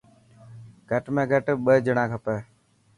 گهٽ ۾ گهٽ ٻه ڄڻا کپي.